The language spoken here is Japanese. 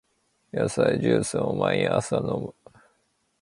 野菜ジュースを毎朝飲む